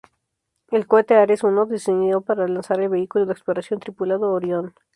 El cohete Ares I se diseñó para lanzar el vehículo de exploración tripulado Orión.